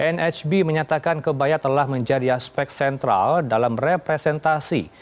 nhb menyatakan kebaya telah menjadi aspek sentral dalam representasi